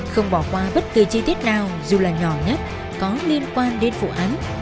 không bỏ qua bất kỳ chi tiết nào dù là nhỏ nhất có liên quan đến vụ án